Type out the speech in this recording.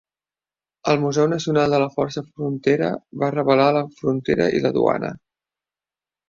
El Museu Nacional de la Força Frontera va revelar la frontera i la duana.